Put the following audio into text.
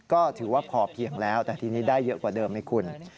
ก็ถือว่าพอเพียงแล้วแต่ทีนี้ได้เยอะกว่าเดิมให้คุณ